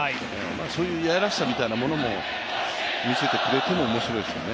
そういういやらしさみたいなものも見せてくれても面白いですよね。